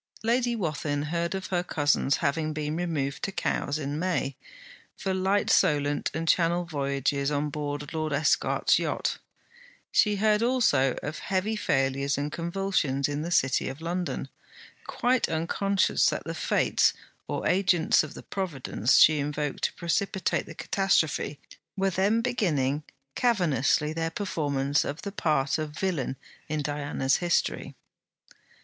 Lady Wathin heard of her cousin's having been removed to Cowes in May, for light Solent and Channel voyages on board Lord Esquart's yacht. She heard also of heavy failures and convulsions in the City of London, quite unconscious that the Fates, or agents of the Providence she invoked to precipitate the catastrophe, were then beginning cavernously their performance of the part of villain in Diana's history.